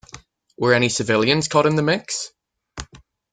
Were any civilians caught in the mix?